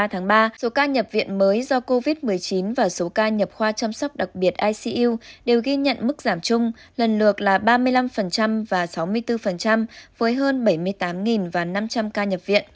hai mươi tháng ba số ca nhập viện mới do covid một mươi chín và số ca nhập khoa chăm sóc đặc biệt icu đều ghi nhận mức giảm chung lần lượt là ba mươi năm và sáu mươi bốn với hơn bảy mươi tám và năm trăm linh ca nhập viện